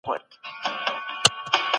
که زده کوونکی له تېروتني زده کړي دا تعليم دی.